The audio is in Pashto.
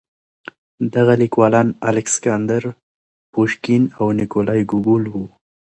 دغه ليکوالان الکساندر پوشکين او نېکولای ګوګول وو.